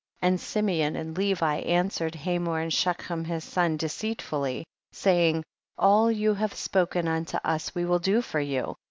29. And Simeon and Levi answer ed Hamor and Shechem his son de ceitfully, saying, all you have spoken unto us we will do for you.